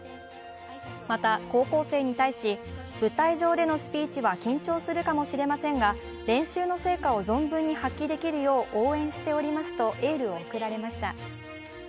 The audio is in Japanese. また、高校生に対し、舞台上でのスピーチは緊張するかもしれませんが、練習の成果を存分に発揮できるよう応援していますとエールを送られました。